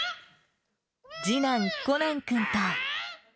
次男、コナン君と。